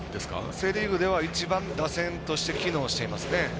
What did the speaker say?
セ・リーグでは一番打線として機能していますね。